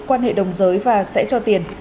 quan hệ đồng giới và sẽ cho tiền